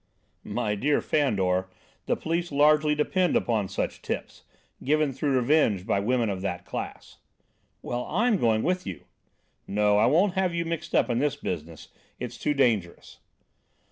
"My dear Fandor, the police largely depend upon such tips, given through revenge by women of that class." "Well, I'm going with you." "No, I won't have you mixed up in this business; it's too dangerous."